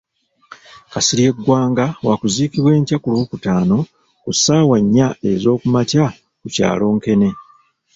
Kasirye Gwanga wakuziikwa enkya ku Lwokutaano ku ssaawa nnya ezookumakya ku kyalo Nkene.